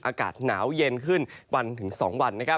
อากาศหนาวเย็นขึ้น๑๒วัน